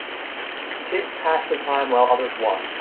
Kids pass the time while others watch.